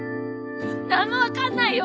何もわかんないよ。